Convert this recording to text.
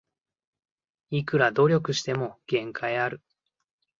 いくら努力しても限界ある